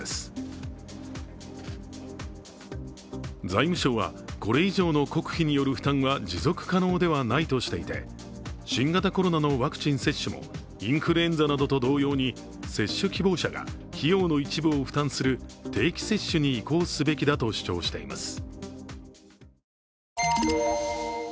財務省は、これ以上の国費による負担は持続可能ではないとしていて、新型コロナのワクチン接種もインフルエンザなどと同様に接種希望者が費用の一部を負担する定期接種に移行すべきだと主張しています。